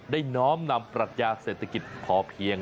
น้อมนำปรัชญาเศรษฐกิจพอเพียง